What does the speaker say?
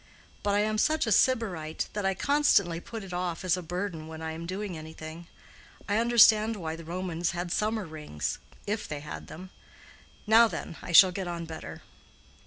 "But I am such a Sybarite that I constantly put it off as a burden when I am doing anything. I understand why the Romans had summer rings—if they had them. Now then, I shall get on better."